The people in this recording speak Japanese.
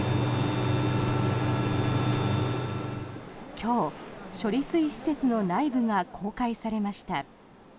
今日、処理水施設の内部が公開されました。